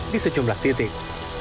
di sejumlah titik